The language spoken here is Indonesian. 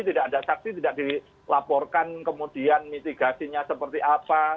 tidak ada saksi tidak dilaporkan kemudian mitigasinya seperti apa